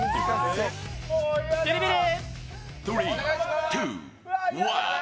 ビリビリ！